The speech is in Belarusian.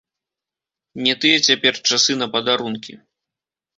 Не тыя цяпер часы на падарункі.